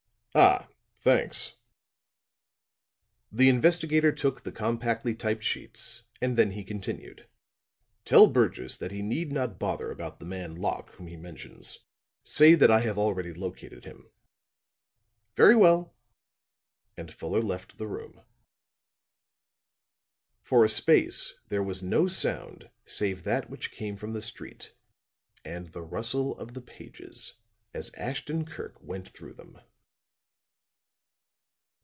"Ah, thanks." The investigator took the compactly typed sheets, and then he continued: "Tell Burgess that he need not bother about the man Locke whom he mentions. Say that I have already located him." "Very well," and Fuller left the room. For a space there was no sound save that which came from the street and the rustle of the pages as Ashton Kirk went through them.